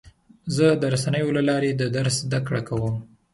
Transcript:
زه د رسنیو له لارې د درس زده کړه کوم.